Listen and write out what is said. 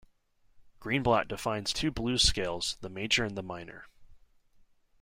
Greenblatt defines two blues scales, the major and the minor.